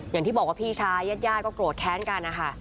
อย่างที่บอกว่าพี่ชายญาติก็โกรธแค้นกันนะคะ